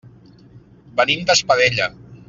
Venim d'Espadella.